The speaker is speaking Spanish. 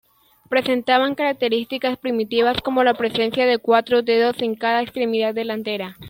Presentaban características primitivas como la presencia de cuatro dedos en cada extremidad delantera.